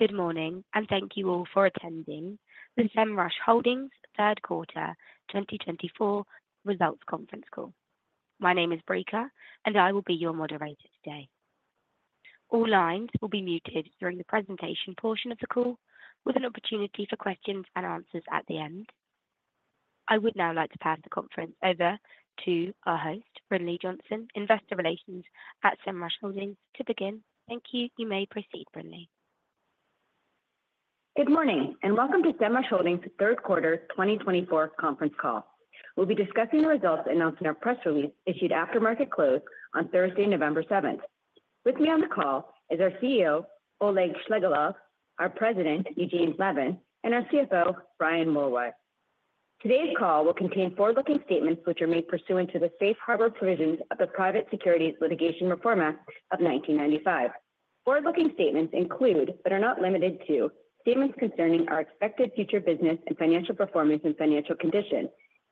Good morning, and thank you all for attending the Semrush Holdings Third Quarter 2024 Results Conference Call. My name is Breaker, and I will be your moderator today. All lines will be muted during the presentation portion of the call, with an opportunity for questions and answers at the end. I would now like to pass the conference over to our host, Brinlea Johnson, Investor Relations at Semrush Holdings, to begin. Thank you. You may proceed, Brinlea. Good morning, and welcome to Semrush Holdings' Third Quarter 2024 Conference Call. We'll be discussing the results announced in our press release issued after market close on Thursday, November 7th. With me on the call is our CEO, Oleg Shchegolev, our President, Eugene Levin, and our CFO, Brian Mulroy. Today's call will contain forward-looking statements which are made pursuant to the safe harbor provisions of the Private Securities Litigation Reform Act of 1995. Forward-looking statements include, but are not limited to, statements concerning our expected future business and financial performance and financial condition,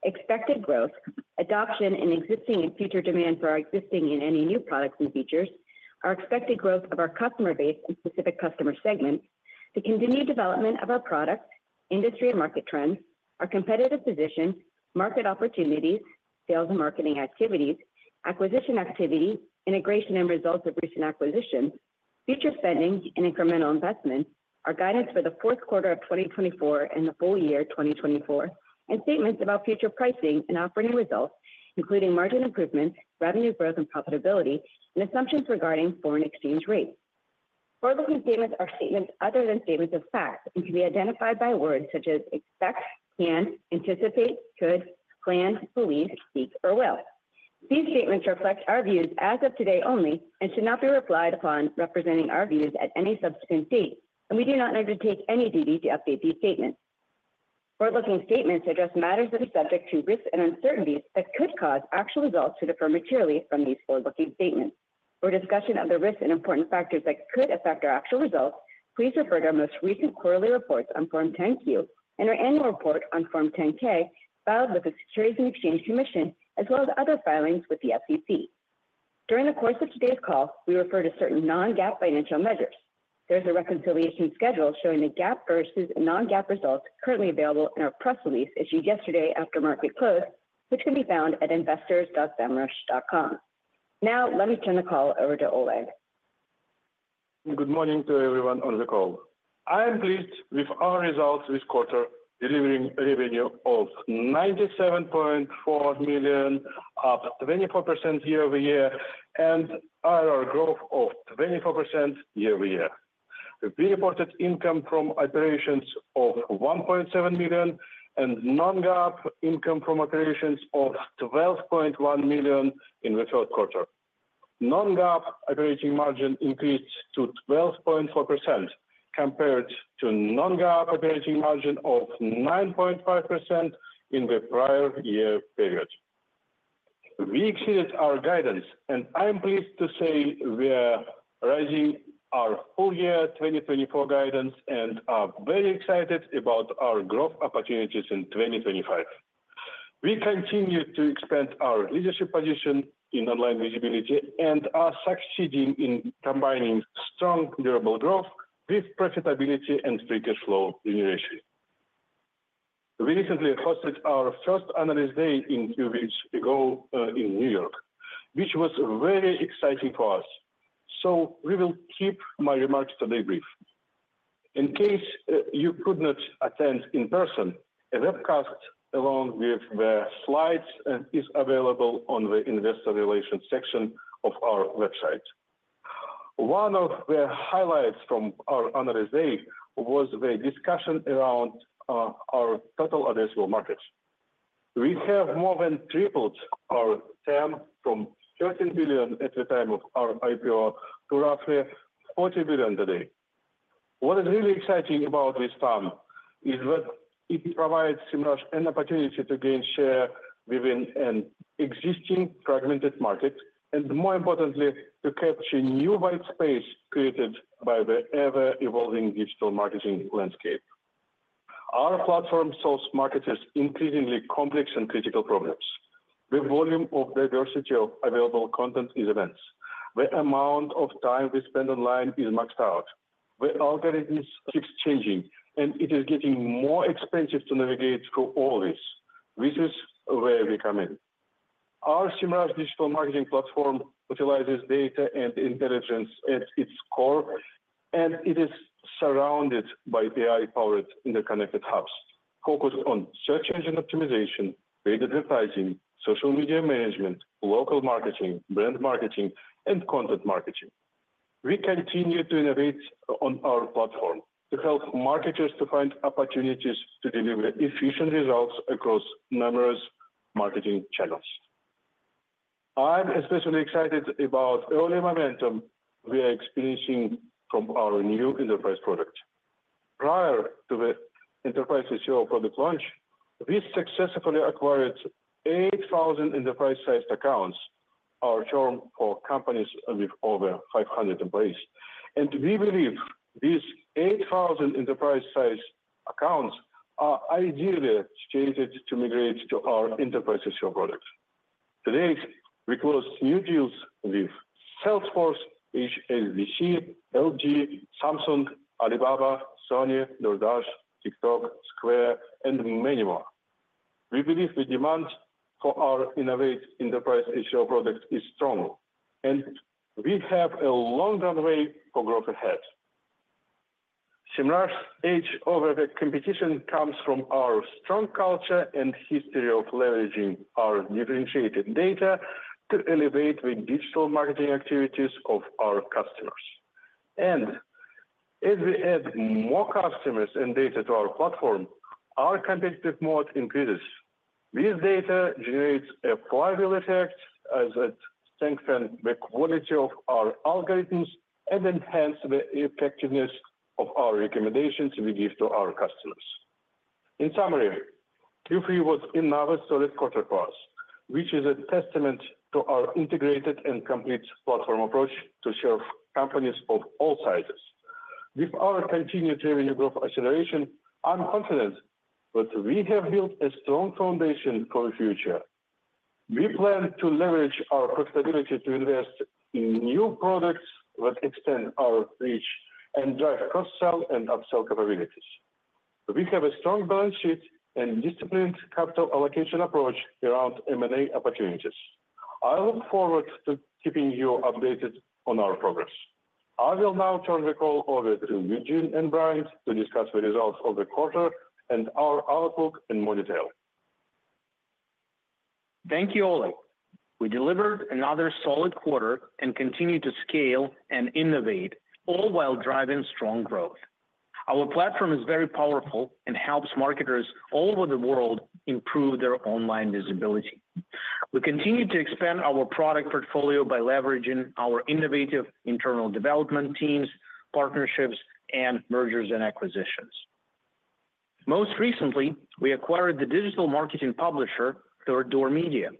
expected growth, adoption and existing and future demand for our existing and any new products and features, our expected growth of our customer base and specific customer segments, the continued development of our products, industry and market trends, our competitive position, market opportunities, sales and marketing activities, acquisition activity, integration and results of recent acquisitions, future spending and incremental investments, our guidance for the fourth quarter of 2024 and the full year 2024, and statements about future pricing and operating results, including margin improvements, revenue growth and profitability, and assumptions regarding foreign exchange rates. Forward-looking statements are statements other than statements of fact and can be identified by words such as expect, can, anticipate, could, plan, believe, seek, or will. These statements reflect our views as of today only and should not be relied upon representing our views at any subsequent date, and we do not undertake any duty to update these statements. Forward-looking statements address matters that are subject to risks and uncertainties that could cause actual results to differ materially from these forward-looking statements. For discussion of the risks and important factors that could affect our actual results, please refer to our most recent quarterly reports on Form 10-Q and our annual report on Form 10-K filed with the Securities and Exchange Commission, as well as other filings with the SEC. During the course of today's call, we refer to certain non-GAAP financial measures. There is a reconciliation schedule showing the GAAP versus non-GAAP results currently available in our press release issued yesterday after market close, which can be found at investors.semrush.com. Now, let me turn the call over to Oleg. Good morning to everyone on the call. I am pleased with our results this quarter, delivering revenue of $97.4 million, up 24% year over year, and our growth of 24% year over year. We reported income from operations of $1.7 million and non-GAAP income from operations of $12.1 million in the third quarter. Non-GAAP operating margin increased to 12.4% compared to non-GAAP operating margin of 9.5% in the prior year period. We exceeded our guidance, and I'm pleased to say we are raising our full year 2024 guidance and are very excited about our growth opportunities in 2025. We continue to expand our leadership position in online visibility and are succeeding in combining strong durable growth with profitability and free cash flow generation. We recently hosted our first Analyst Day a few weeks ago in New York, which was very exciting for us, so we will keep my remarks today brief. In case you could not attend in person, a webcast along with the slides is available on the investor relations section of our website. One of the highlights from our Analyst Day was the discussion around our total addressable markets. We have more than tripled our TAM from $13 billion at the time of our IPO to roughly $40 billion today. What is really exciting about this TAM is that it provides Semrush an opportunity to gain share within an existing fragmented market and, more importantly, to capture new white space created by the ever-evolving digital marketing landscape. Our platform solves marketers' increasingly complex and critical problems. The volume of diversity of available content is immense. The amount of time we spend online is maxed out. The algorithms keep changing, and it is getting more expensive to navigate through all this. This is where we come in. Our Semrush digital marketing platform utilizes data and intelligence at its core, and it is surrounded by AI-powered interconnected hubs focused on search engine optimization, paid advertising, social media management, local marketing, brand marketing, and content marketing. We continue to innovate on our platform to help marketers to find opportunities to deliver efficient results across numerous marketing channels. I'm especially excited about the early momentum we are experiencing from our new enterprise product. Prior to the Enterprise SEO product launch, we successfully acquired 8,000 enterprise-sized accounts, our term for companies with over 500 employees. And we believe these 8,000 enterprise-sized accounts are ideally situated to migrate to our Enterprise SEO product. Today, we closed new deals with Salesforce, HSBC, LG, Samsung, Alibaba, Sony, DoorDash, TikTok, Square, and many more. We believe the demand for our innovative Enterprise SEO product is strong, and we have a long runway for growth ahead. Semrush's edge over the competition comes from our strong culture and history of leveraging our differentiated data to elevate the digital marketing activities of our customers, and as we add more customers and data to our platform, our competitive moat increases. This data generates a flywheel effect that strengthens the quality of our algorithms and enhances the effectiveness of our recommendations we give to our customers. In summary, Q3 was another solid quarter for us, which is a testament to our integrated and complete platform approach to serve companies of all sizes. With our continued revenue growth acceleration, I'm confident that we have built a strong foundation for the future. We plan to leverage our profitability to invest in new products that extend our reach and drive cross-sell and upsell capabilities. We have a strong balance sheet and a disciplined capital allocation approach around M&A opportunities. I look forward to keeping you updated on our progress. I will now turn the call over to Eugene and Brian to discuss the results of the quarter and our outlook in more detail. Thank you, Oleg. We delivered another solid quarter and continue to scale and innovate, all while driving strong growth. Our platform is very powerful and helps marketers all over the world improve their online visibility. We continue to expand our product portfolio by leveraging our innovative internal development teams, partnerships, and mergers and acquisitions. Most recently, we acquired the digital marketing publisher Third Door Media,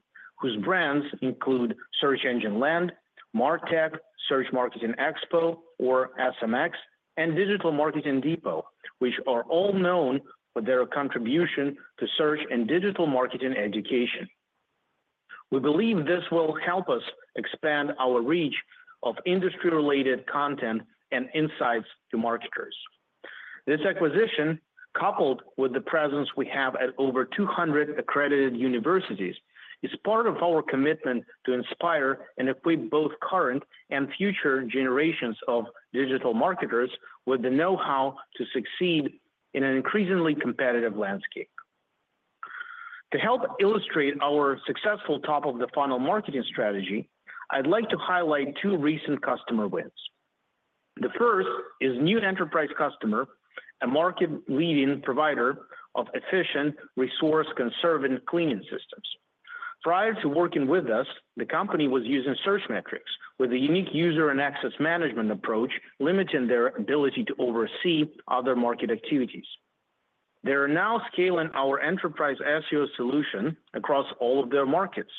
whose brands include Search Engine Land, MarTech, Search Marketing Expo, or SMX, and Digital Marketing Depot, which are all known for their contribution to search and digital marketing education. We believe this will help us expand our reach of industry-related content and insights to marketers. This acquisition, coupled with the presence we have at over 200 accredited universities, is part of our commitment to inspire and equip both current and future generations of digital marketers with the know-how to succeed in an increasingly competitive landscape. To help illustrate our successful top-of-the-funnel marketing strategy, I'd like to highlight two recent customer wins. The first is a new enterprise customer, a market-leading provider of efficient, resource-conserving cleaning systems. Prior to working with us, the company was using Searchmetrics with a unique user and access management approach, limiting their ability to oversee other market activities. They are now scaling our Enterprise SEO solution across all of their markets.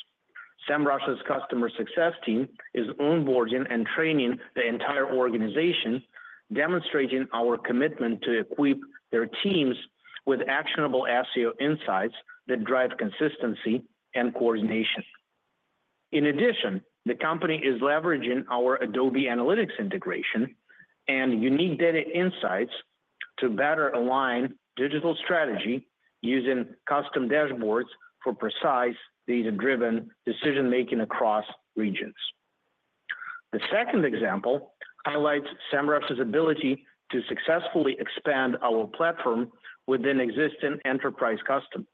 Semrush's customer success team is onboarding and training the entire organization, demonstrating our commitment to equip their teams with actionable SEO insights that drive consistency and coordination. In addition, the company is leveraging our Adobe Analytics integration and unique data insights to better align digital strategy using custom dashboards for precise data-driven decision-making across regions. The second example highlights Semrush's ability to successfully expand our platform within existing enterprise customers.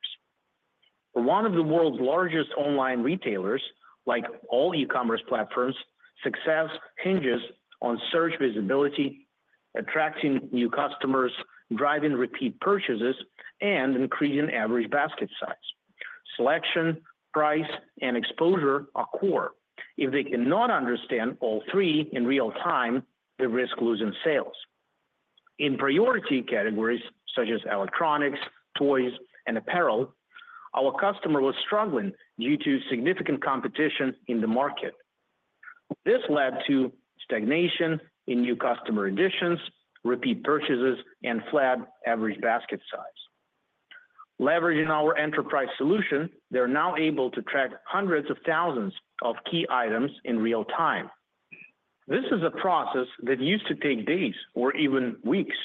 For one of the world's largest online retailers, like all e-commerce platforms, success hinges on search visibility, attracting new customers, driving repeat purchases, and increasing average basket size. Selection, price, and exposure are core. If they cannot understand all three in real time, they risk losing sales. In priority categories such as electronics, toys, and apparel, our customer was struggling due to significant competition in the market. This led to stagnation in new customer additions, repeat purchases, and flat average basket size. Leveraging our enterprise solution, they are now able to track hundreds of thousands of key items in real time. This is a process that used to take days or even weeks.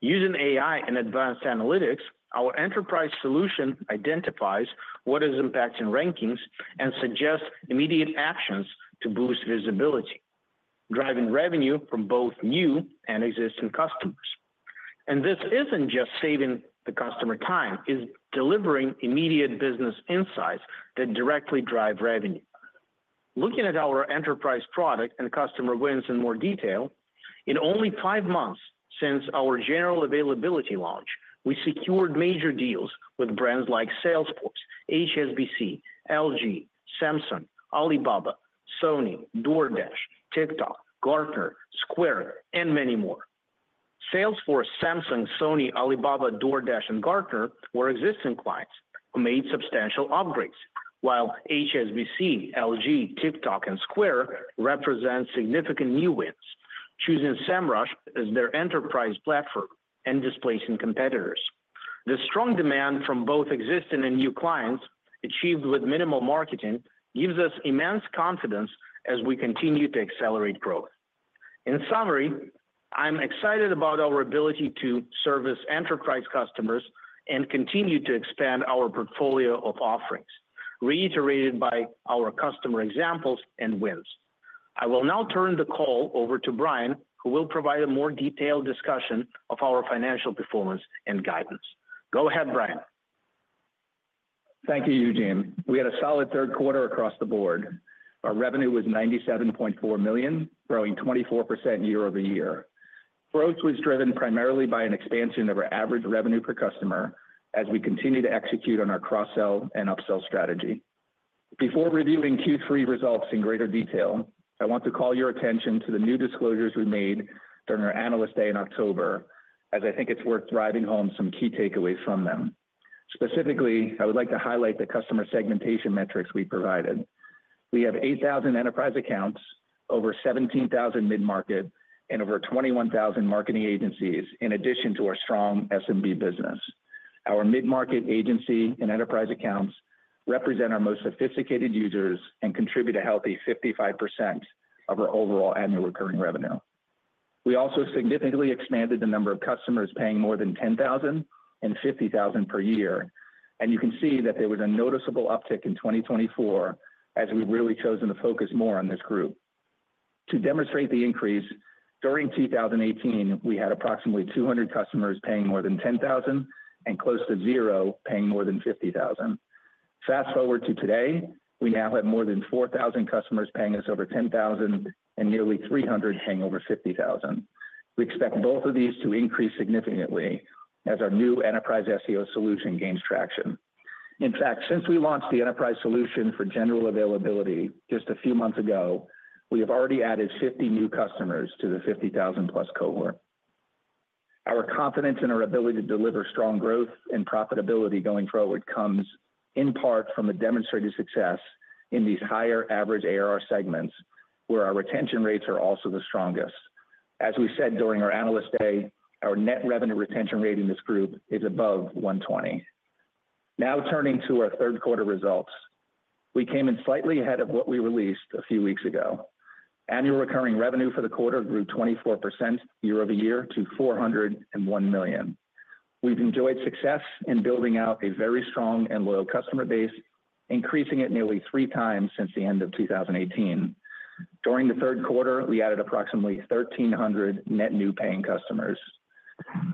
Using AI and advanced analytics, our enterprise solution identifies what is impacting rankings and suggests immediate actions to boost visibility, driving revenue from both new and existing customers. This isn't just saving the customer time. It's delivering immediate business insights that directly drive revenue. Looking at our enterprise product and customer wins in more detail, in only five months since our general availability launch, we secured major deals with brands like Salesforce, HSBC, LG, Samsung, Alibaba, Sony, DoorDash, TikTok, Gartner, Square, and many more. Salesforce, Samsung, Sony, Alibaba, DoorDash, and Gartner were existing clients who made substantial upgrades, while HSBC, LG, TikTok, and Square represent significant new wins, choosing Semrush as their enterprise platform and displacing competitors. The strong demand from both existing and new clients, achieved with minimal marketing, gives us immense confidence as we continue to accelerate growth. In summary, I'm excited about our ability to service enterprise customers and continue to expand our portfolio of offerings, reiterated by our customer examples and wins. I will now turn the call over to Brian, who will provide a more detailed discussion of our financial performance and guidance. Go ahead, Brian. Thank you, Eugene. We had a solid third quarter across the board. Our revenue was $97.4 million, growing 24% year over year. Growth was driven primarily by an expansion of our average revenue per customer as we continue to execute on our cross-sell and upsell strategy. Before reviewing Q3 results in greater detail, I want to call your attention to the new disclosures we made during our Analyst Day in October, as I think it's worth driving home some key takeaways from them. Specifically, I would like to highlight the customer segmentation metrics we provided. We have 8,000 enterprise accounts, over 17,000 mid-market, and over 21,000 marketing agencies, in addition to our strong SMB business. Our mid-market agency and enterprise accounts represent our most sophisticated users and contribute a healthy 55% of our overall annual recurring revenue. We also significantly expanded the number of customers paying more than $10,000 and $50,000 per year. You can see that there was a noticeable uptick in 2024 as we've really chosen to focus more on this group. To demonstrate the increase, during 2018, we had approximately 200 customers paying more than $10,000 and close to zero paying more than $50,000. Fast forward to today, we now have more than 4,000 customers paying us over $10,000 and nearly 300 paying over $50,000. We expect both of these to increase significantly as our new enterprise SEO solution gains traction. In fact, since we launched the enterprise solution for general availability just a few months ago, we have already added 50 new customers to the 50,000-plus cohort. Our confidence in our ability to deliver strong growth and profitability going forward comes in part from the demonstrated success in these higher average ARR segments, where our retention rates are also the strongest. As we said during our Analyst Day, our net revenue retention rate in this group is above 120%. Now turning to our third quarter results, we came in slightly ahead of what we released a few weeks ago. Annual recurring revenue for the quarter grew 24% year over year to $401 million. We've enjoyed success in building out a very strong and loyal customer base, increasing it nearly three times since the end of 2018. During the third quarter, we added approximately 1,300 net new paying customers.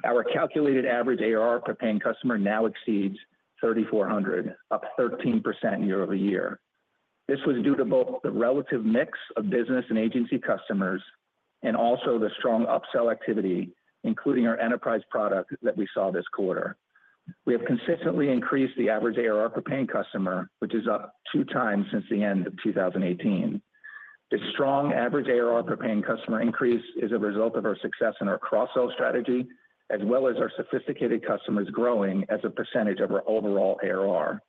Our calculated average ARR per paying customer now exceeds $3,400, up 13% year over year. This was due to both the relative mix of business and agency customers and also the strong upsell activity, including our enterprise product that we saw this quarter. We have consistently increased the average ARR per paying customer, which is up two times since the end of 2018. This strong average ARR per paying customer increase is a result of our success in our cross-sell strategy, as well as our sophisticated customers growing as a percentage of our overall ARR,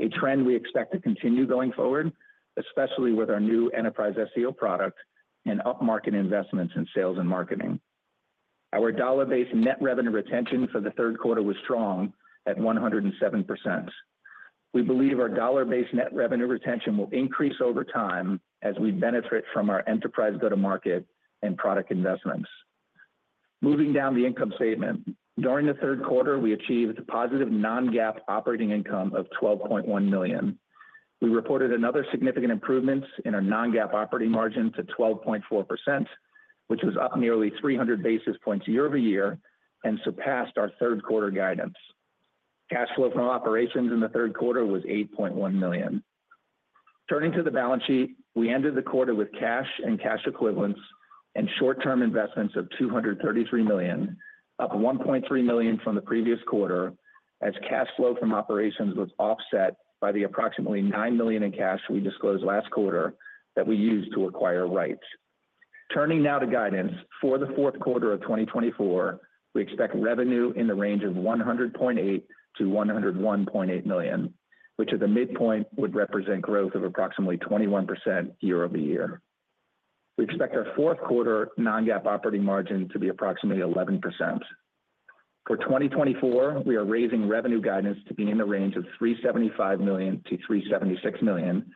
a trend we expect to continue going forward, especially with our new Enterprise SEO product and upmarket investments in sales and marketing. Our dollar-based net revenue retention for the third quarter was strong at 107%. We believe our dollar-based net revenue retention will increase over time as we benefit from our enterprise go-to-market and product investments. Moving down the income statement, during the third quarter, we achieved a positive non-GAAP operating income of $12.1 million. We reported another significant improvement in our non-GAAP operating margin to 12.4%, which was up nearly 300 basis points year over year and surpassed our third quarter guidance. Cash flow from operations in the third quarter was $8.1 million. Turning to the balance sheet, we ended the quarter with cash and cash equivalents and short-term investments of $233 million, up $1.3 million from the previous quarter, as cash flow from operations was offset by the approximately $9 million in cash we disclosed last quarter that we used to acquire Ryte. Turning now to guidance, for the fourth quarter of 2024, we expect revenue in the range of $100.8 million-$101.8 million, which at the midpoint would represent growth of approximately 21% year over year. We expect our fourth quarter non-GAAP operating margin to be approximately 11%. For 2024, we are raising revenue guidance to be in the range of $375 million-$376 million,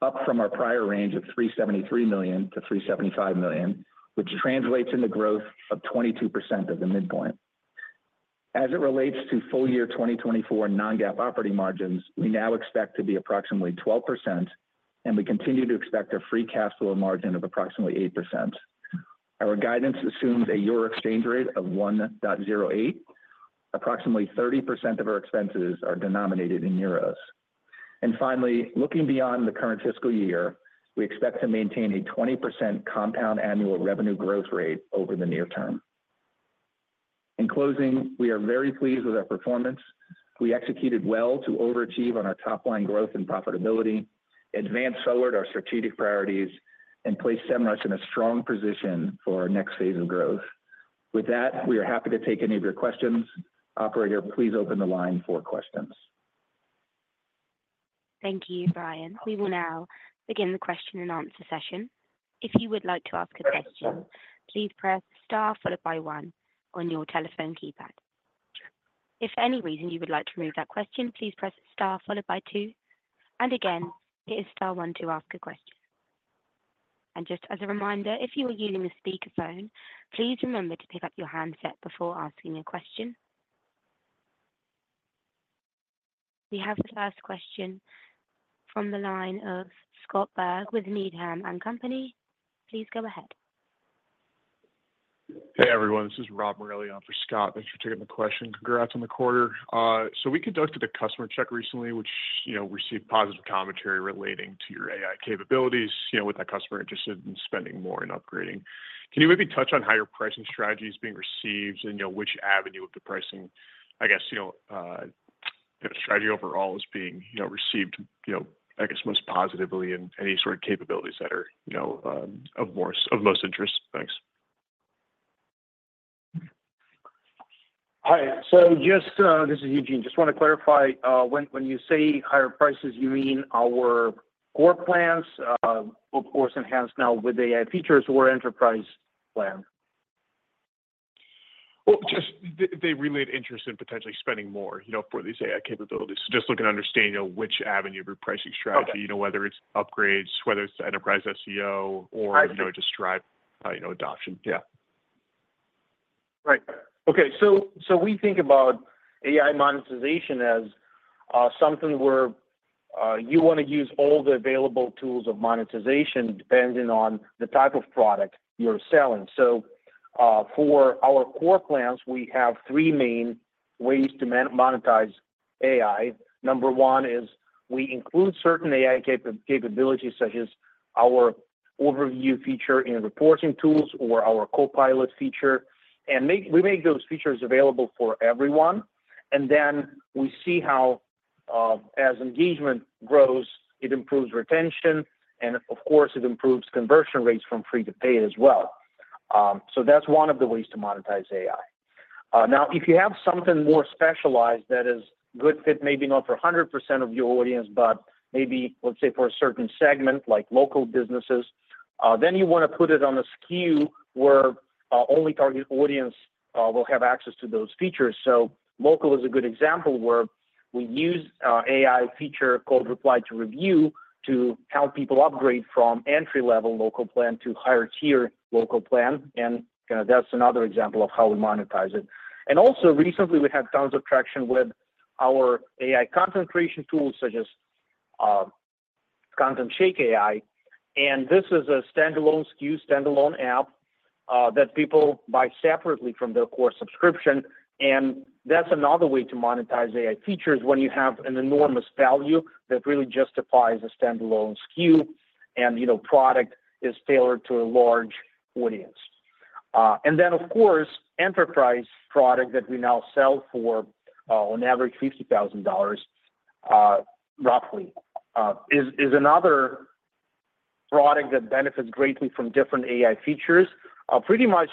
up from our prior range of $373 million-$375 million, which translates into growth of 22% at the midpoint. As it relates to full year 2024 non-GAAP operating margins, we now expect to be approximately 12%, and we continue to expect a free cash flow margin of approximately 8%. Our guidance assumes a euro exchange rate of 1.08. Approximately 30% of our expenses are denominated in euros. Finally, looking beyond the current fiscal year, we expect to maintain a 20% compound annual revenue growth rate over the near term. In closing, we are very pleased with our performance. We executed well to overachieve on our top-line growth and profitability, advanced forward our strategic priorities, and placed Semrush in a strong position for our next phase of growth. With that, we are happy to take any of your questions. Operator, please open the line for questions. Thank you, Brian. We will now begin the question and answer session. If you would like to ask a question, please press star followed by one on your telephone keypad. If for any reason you would like to remove that question, please press star followed by two. And again, it is star one to ask a question. And just as a reminder, if you are using a speakerphone, please remember to pick up your handset before asking a question. We have the first question from the line of Scott Berg with Needham & Company. Please go ahead. Hey, everyone. This is Rob Morelli for Scott. Thanks for taking the question. Congrats on the quarter. So we conducted a customer check recently, which received positive commentary relating to your AI capabilities, with that customer interested in spending more and upgrading. Can you maybe touch on how your pricing strategy is being received and which avenue of the pricing, I guess, strategy overall is being received, I guess, most positively in any sort of capabilities that are of most interest? Thanks. Hi. So this is Eugene. Just want to clarify, when you say higher prices, you mean our core plans or enhanced now with AI features or enterprise plan? Just they relayed interest in potentially spending more for these AI capabilities. Just looking to understand which avenue of your pricing strategy, whether it's upgrades, whether it's Enterprise SEO, or just drive adoption. Yeah. Right. Okay. So we think about AI monetization as something where you want to use all the available tools of monetization depending on the type of product you're selling. So for our core plans, we have three main ways to monetize AI. Number one is we include certain AI capabilities, such as our overview feature in reporting tools or our Copilot feature. And we make those features available for everyone. And then we see how, as engagement grows, it improves retention. And of course, it improves conversion rates from free to pay as well. So that's one of the ways to monetize AI. Now, if you have something more specialized that is good fit, maybe not for 100% of your audience, but maybe, let's say, for a certain segment, like local businesses, then you want to put it on a SKU where only target audience will have access to those features. So local is a good example where we use AI feature called Reply to Review to help people upgrade from entry-level local plan to higher-tier local plan. And that's another example of how we monetize it. And also, recently, we had tons of traction with our AI content creation tools, such as ContentShake AI. And this is a standalone SKU, standalone app that people buy separately from their core subscription. And that's another way to monetize AI features when you have an enormous value that really justifies a standalone SKU and product is tailored to a large audience. Then, of course, Enterprise SEO product that we now sell for, on average, $50,000, roughly, is another product that benefits greatly from different AI features. Pretty much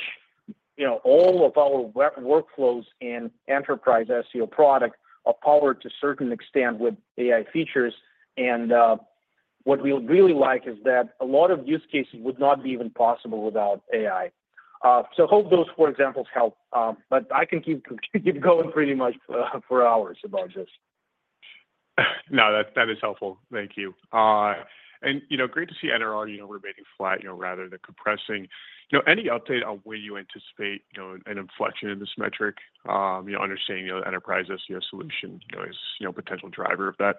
all of our workflows in Enterprise SEO product are powered to a certain extent with AI features. What we would really like is that a lot of use cases would not be even possible without AI. I hope those four examples help. I can keep going pretty much for hours about this. No, that is helpful. Thank you. And great to see NRR remaining flat, rather than compressing. Any update on where you anticipate an inflection in this metric, understanding the Enterprise SEO solution as a potential driver of that?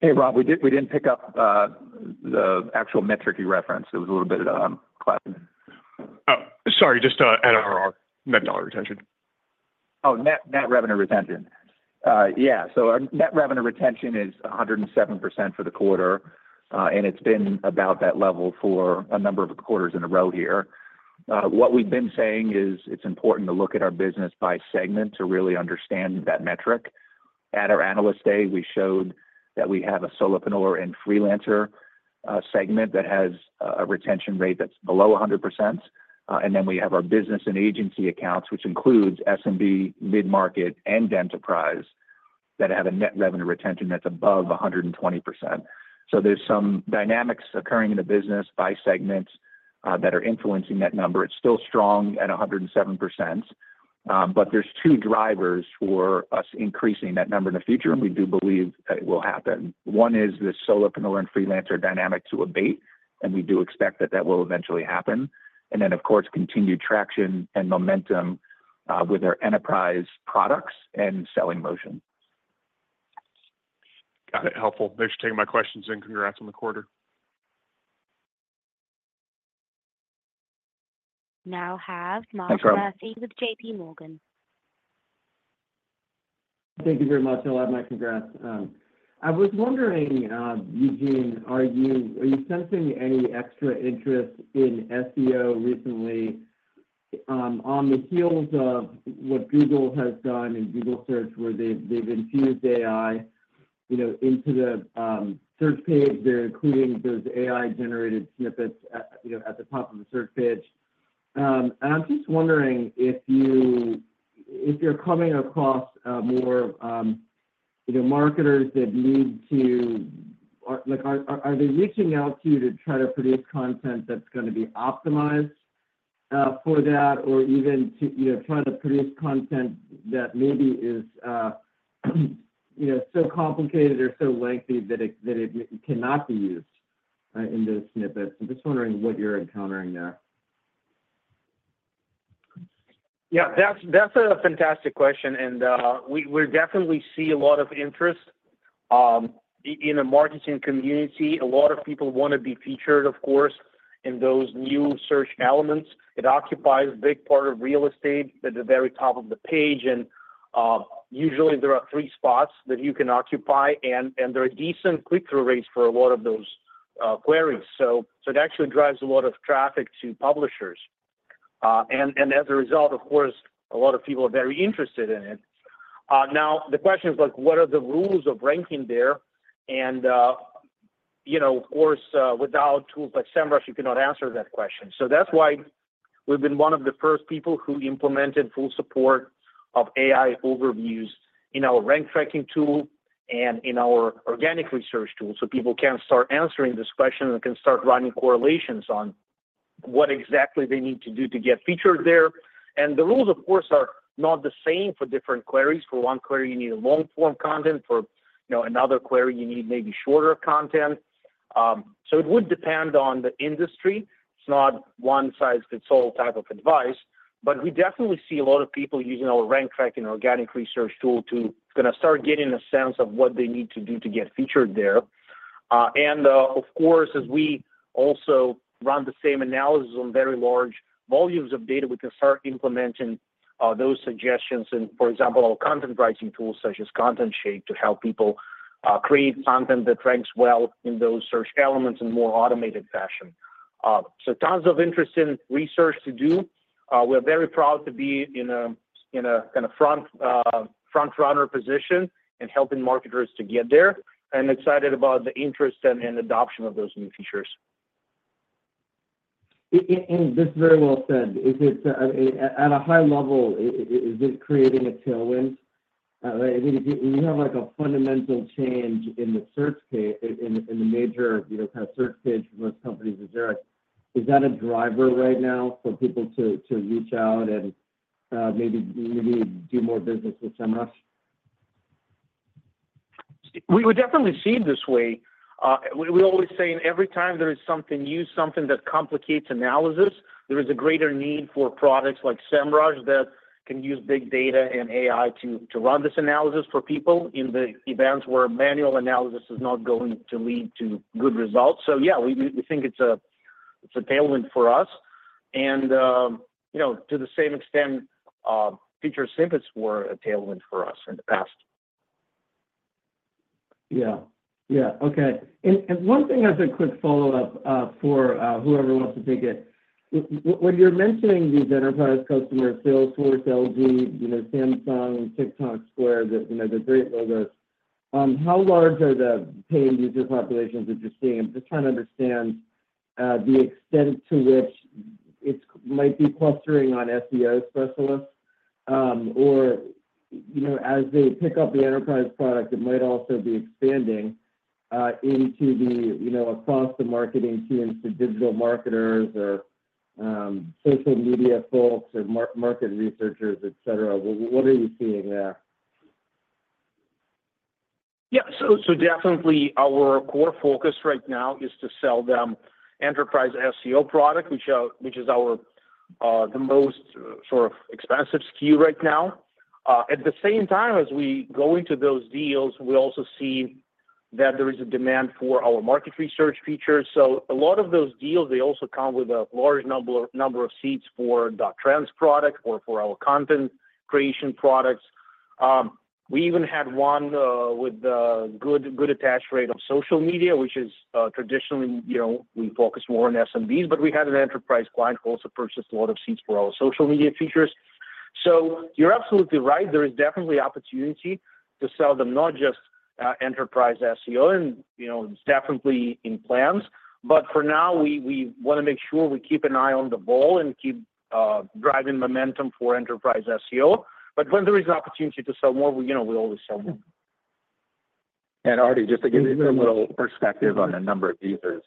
Hey, Rob, we didn't pick up the actual metric you referenced. It was a little bit cloudy. Oh, sorry, just NRR, not dollar retention. Oh, net revenue retention. Yeah, so our net revenue retention is 107% for the quarter, and it's been about that level for a number of quarters in a row here. What we've been saying is it's important to look at our business by segment to really understand that metric. At our Analyst Day, we showed that we have a solopreneur and freelancer segment that has a retention rate that's below 100%, and then we have our business and agency accounts, which includes SMB, mid-market, and enterprise that have a net revenue retention that's above 120%, so there's some dynamics occurring in the business by segment that are influencing that number. It's still strong at 107%, but there's two drivers for us increasing that number in the future, and we do believe it will happen. One is the solopreneur and freelancer dynamic to abate, and we do expect that that will eventually happen, and then, of course, continued traction and momentum with our enterprise products and selling motion. Got it. Helpful. Thanks for taking my questions and congrats on the quarter. Now have Mark Murphy with JPMorgan. Thank you very much, Oleg. My congrats. I was wondering, Eugene, are you sensing any extra interest in SEO recently on the heels of what Google has done in Google Search, where they've infused AI into the search page? They're including those AI-generated snippets at the top of the search page. And I'm just wondering if you're coming across more marketers that need to—are they reaching out to you to try to produce content that's going to be optimized for that, or even to try to produce content that maybe is so complicated or so lengthy that it cannot be used in those snippets? I'm just wondering what you're encountering there. Yeah, that's a fantastic question, and we definitely see a lot of interest in the marketing community. A lot of people want to be featured, of course, in those new search elements. It occupies a big part of real estate at the very top of the page, and usually, there are three spots that you can occupy, and there are decent click-through rates for a lot of those queries, so it actually drives a lot of traffic to publishers, and as a result, of course, a lot of people are very interested in it. Now, the question is, what are the rules of ranking there, and, of course, without tools like Semrush, you cannot answer that question. So that's why we've been one of the first people who implemented full support of AI Overviews in our rank tracking tool and in our organic research tool, so people can start answering this question and can start running correlations on what exactly they need to do to get featured there. And the rules, of course, are not the same for different queries. For one query, you need long-form content. For another query, you need maybe shorter content. So it would depend on the industry. It's not one-size-fits-all type of advice. But we definitely see a lot of people using our rank tracking organic research tool to kind of start getting a sense of what they need to do to get featured there. And, of course, as we also run the same analysis on very large volumes of data, we can start implementing those suggestions in, for example, our content writing tools, such as ContentShake, to help people create content that ranks well in those search elements in a more automated fashion. So tons of interesting research to do. We're very proud to be in a kind of front-runner position in helping marketers to get there. And excited about the interest and adoption of those new features. This is very well said. At a high level, is it creating a tailwind? I mean, you have a fundamental change in the major kind of search page for most companies. Is that a driver right now for people to reach out and maybe do more business with Semrush? We would definitely see it this way. We always say, every time there is something new, something that complicates analysis, there is a greater need for products like Semrush that can use big data and AI to run this analysis for people in the events where manual analysis is not going to lead to good results. So yeah, we think it's a tailwind for us. And to the same extent, Featured Snippets were a tailwind for us in the past. Yeah. Yeah. Okay. And one thing as a quick follow-up for whoever wants to take it, when you're mentioning these enterprise customers, Salesforce, LG, Samsung, TikTok, Square, the great logos, how large are the paying user populations that you're seeing? I'm just trying to understand the extent to which it might be clustering on SEO specialists. Or as they pick up the enterprise product, it might also be expanding across the marketing teams to digital marketers or social media folks or market researchers, etc. What are you seeing there? Yeah. So definitely, our core focus right now is to sell them Enterprise SEO product, which is the most sort of expensive SKU right now. At the same time, as we go into those deals, we also see that there is a demand for our market research features. So a lot of those deals, they also come with a large number of seats for Trends products or for our content creation products. We even had one with a good attach rate on social media, which is traditionally, we focus more on SMBs. But we had an enterprise client who also purchased a lot of seats for our social media features. So you're absolutely right. There is definitely opportunity to sell them not just enterprise SEO, and it's definitely in plans. But for now, we want to make sure we keep an eye on the ball and keep driving momentum for Enterprise SEO. But when there is an opportunity to sell more, we always sell more. Arti, just to give you a little perspective on the number of users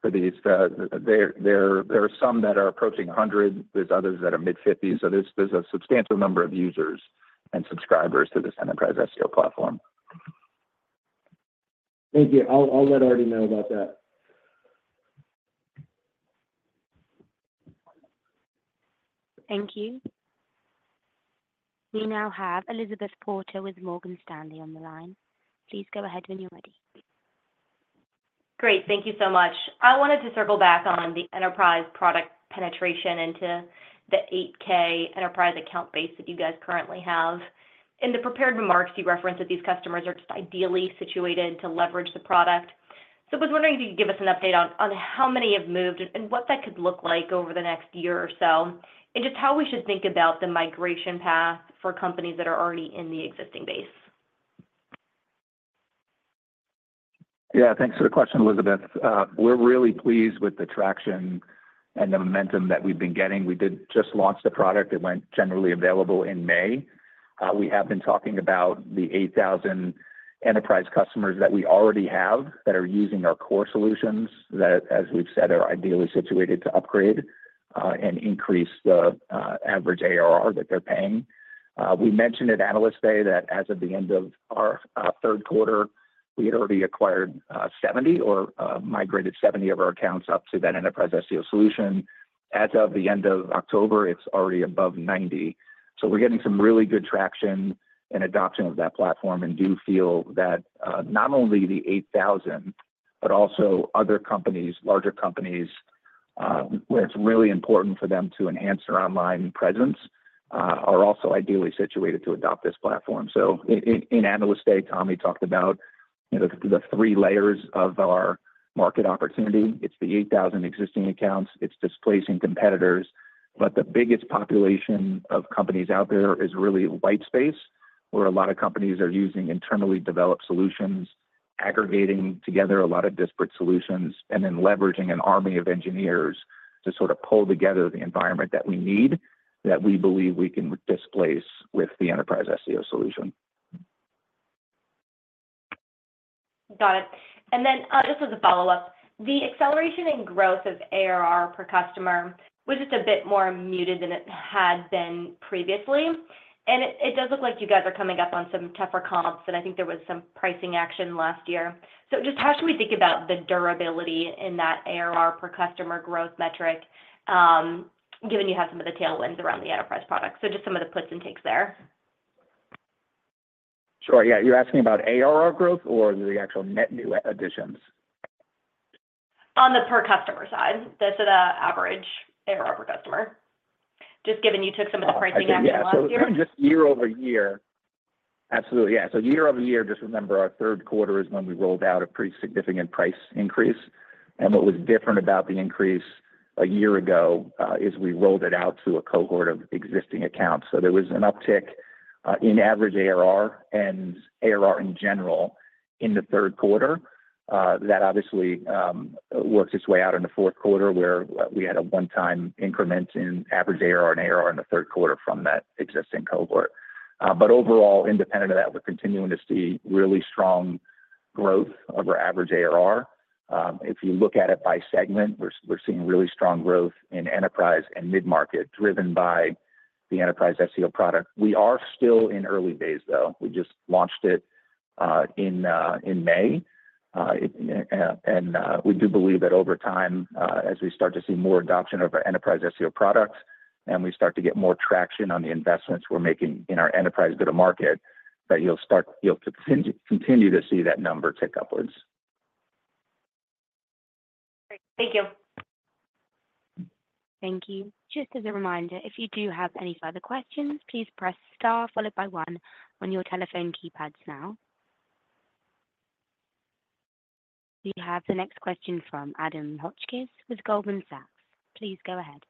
for these, there are some that are approaching 100. There's others that are mid-50s. So there's a substantial number of users and subscribers to this Enterprise SEO platform. Thank you. I'll let Arti know about that. Thank you. We now have Elizabeth Porter with Morgan Stanley on the line. Please go ahead when you're ready. Great. Thank you so much. I wanted to circle back on the enterprise product penetration into the 8-K enterprise account base that you guys currently have. In the prepared remarks, you referenced that these customers are just ideally situated to leverage the product. So I was wondering if you could give us an update on how many have moved and what that could look like over the next year or so, and just how we should think about the migration path for companies that are already in the existing base. Yeah. Thanks for the question, Elizabeth. We're really pleased with the traction and the momentum that we've been getting. We did just launch the product. It went generally available in May. We have been talking about the 8,000 enterprise customers that we already have that are using our core solutions that, as we've said, are ideally situated to upgrade and increase the average ARR that they're paying. We mentioned at Analyst Day that as of the end of our third quarter, we had already acquired 70 or migrated 70 of our accounts up to that Enterprise SEO solution. As of the end of October, it's already above 90. So we're getting some really good traction and adoption of that platform and do feel that not only the 8,000, but also other companies, larger companies, where it's really important for them to enhance their online presence, are also ideally situated to adopt this platform. So in Analyst Day, Tommy talked about the three layers of our market opportunity. It's the 8,000 existing accounts. It's displacing competitors. But the biggest population of companies out there is really white space, where a lot of companies are using internally developed solutions, aggregating together a lot of disparate solutions, and then leveraging an army of engineers to sort of pull together the environment that we need, that we believe we can displace with the Enterprise SEO solution. Got it. And then just as a follow-up, the acceleration in growth of ARR per customer was just a bit more muted than it had been previously. And it does look like you guys are coming up on some tougher comps, and I think there was some pricing action last year. So just how should we think about the durability in that ARR per customer growth metric, given you have some of the tailwinds around the enterprise product? So just some of the puts and takes there. Sure. Yeah. You're asking about ARR growth or the actual net new additions? On the per customer side, so the average ARR per customer, just given you took some of the pricing action last year. Yeah. So even just year over year, absolutely. Yeah. So year over year, just remember our third quarter is when we rolled out a pretty significant price increase. And what was different about the increase a year ago is we rolled it out to a cohort of existing accounts. So there was an uptick in average ARR and ARR in general in the third quarter that obviously worked its way out in the fourth quarter, where we had a one-time increment in average ARR and ARR in the third quarter from that existing cohort. But overall, independent of that, we're continuing to see really strong growth of our average ARR. If you look at it by segment, we're seeing really strong growth in enterprise and mid-market driven by the Enterprise SEO product. We are still in early phase, though. We just launched it in May. We do believe that over time, as we start to see more adoption of our enterprise SEO products and we start to get more traction on the investments we're making in our enterprise go-to-market, that you'll continue to see that number tick upwards. Great. Thank you. Thank you. Just as a reminder, if you do have any further questions, please press star followed by one on your telephone keypads now. We have the next question from Adam Hotchkiss with Goldman Sachs. Please go ahead.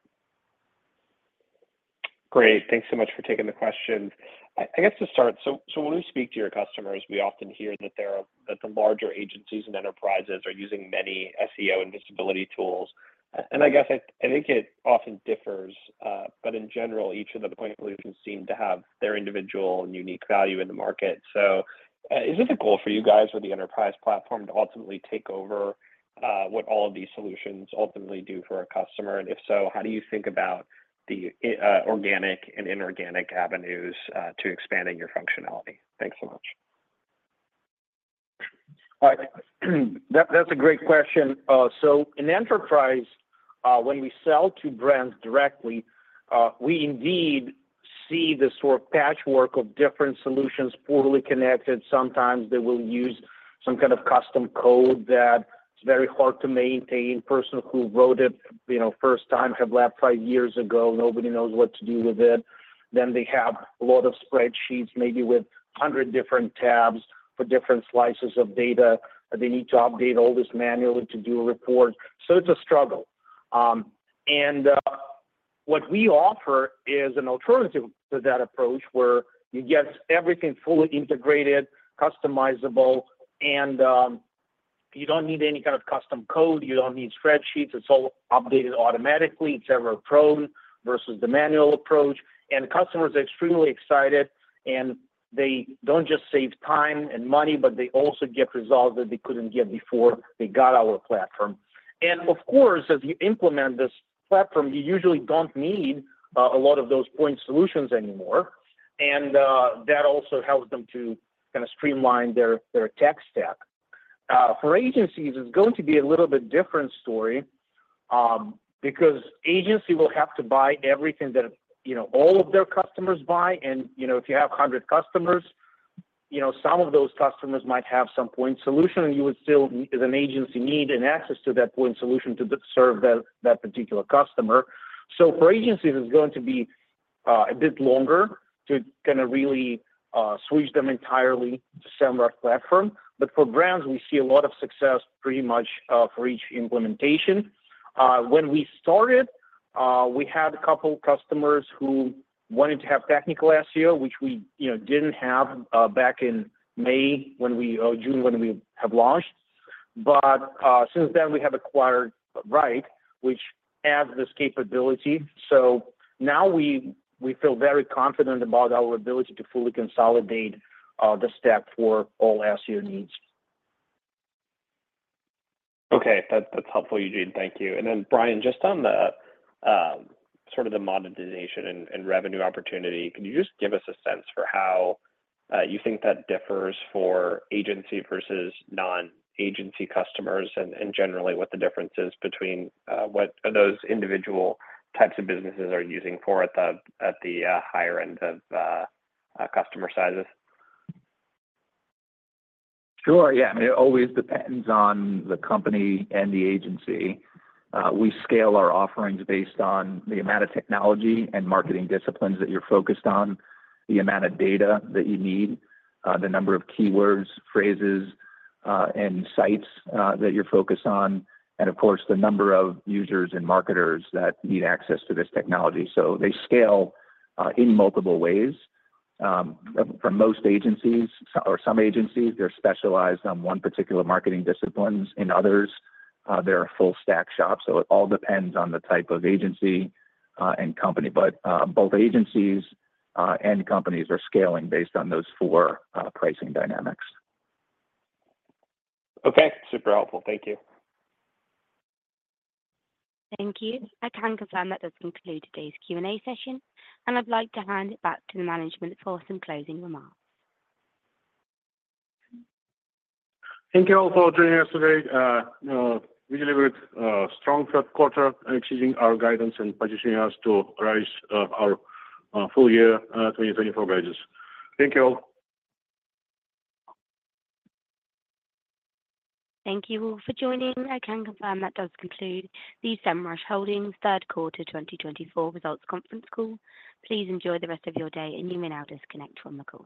Great. Thanks so much for taking the question. I guess to start, so when we speak to your customers, we often hear that the larger agencies and enterprises are using many SEO and visibility tools. And I guess I think it often differs, but in general, each of the tools seem to have their individual and unique value in the market. So is it a goal for you guys with the enterprise platform to ultimately take over what all of these solutions ultimately do for a customer? And if so, how do you think about the organic and inorganic avenues to expanding your functionality? Thanks so much. All right. That's a great question. So in enterprise, when we sell to brands directly, we indeed see the sort of patchwork of different solutions poorly connected. Sometimes they will use some kind of custom code that's very hard to maintain. The person who wrote it first time had left five years ago. Nobody knows what to do with it. Then they have a lot of spreadsheets, maybe with 100 different tabs for different slices of data. They need to update all this manually to do a report. So it's a struggle. And what we offer is an alternative to that approach where you get everything fully integrated, customizable, and you don't need any kind of custom code. You don't need spreadsheets. It's all updated automatically. It's error-prone versus the manual approach. And customers are extremely excited. They don't just save time and money, but they also get results that they couldn't get before they got our platform. Of course, as you implement this platform, you usually don't need a lot of those point solutions anymore. That also helps them to kind of streamline their tech stack. For agencies, it's going to be a little bit different story because an agency will have to buy everything that all of their customers buy. If you have 100 customers, some of those customers might have some point solution, and you would still, as an agency, need access to that point solution to serve that particular customer. For agencies, it's going to be a bit longer to kind of really switch them entirely to Semrush platform. But for brands, we see a lot of success pretty much for each implementation. When we started, we had a couple of customers who wanted to have technical SEO, which we didn't have back in May or June when we have launched. But since then, we have acquired Ryte, which has this capability. So now we feel very confident about our ability to fully consolidate the stack for all SEO needs. Okay. That's helpful, Eugene. Thank you. And then Brian, just on sort of the monetization and revenue opportunity, can you just give us a sense for how you think that differs for agency versus non-agency customers and generally what the difference is between what those individual types of businesses are using for at the higher end of customer sizes? Sure. Yeah. I mean, it always depends on the company and the agency. We scale our offerings based on the amount of technology and marketing disciplines that you're focused on, the amount of data that you need, the number of keywords, phrases, and sites that you're focused on, and of course, the number of users and marketers that need access to this technology. So they scale in multiple ways. For most agencies or some agencies, they're specialized on one particular marketing discipline. In others, they're a full-stack shop. So it all depends on the type of agency and company. But both agencies and companies are scaling based on those four pricing dynamics. Okay. Super helpful. Thank you. Thank you. I can confirm that this concludes today's Q&A session, and I'd like to hand it back to the management for some closing remarks. Thank you all for joining us today. We delivered a strong third quarter, exceeding our guidance and positioning us to raise our full-year 2024 budgets. Thank you all. Thank you all for joining. I can confirm that does conclude the Semrush Holdings Third Quarter 2024 Results Conference Call. Please enjoy the rest of your day, and you may now disconnect from the call.